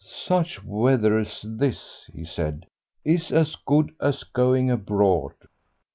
Such weather as this," he said, "is as good as going abroad."